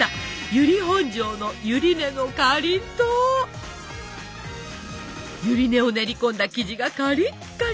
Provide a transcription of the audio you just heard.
由利本荘のゆり根を練り込んだ生地がカリッカリ！